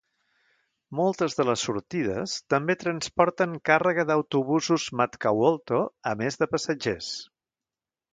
Moltes de les sortides també transporten càrrega d'autobusos Matkahuolto a més de passatgers.